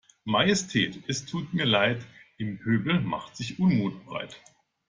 Majestät es tut mir Leid, im Pöbel macht sich Unmut breit.